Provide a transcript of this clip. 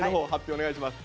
お願いします。